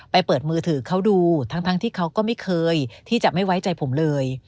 เปิดมือถือเขาดูทั้งที่เขาก็ไม่เคยที่จะไม่ไว้ใจผมเลย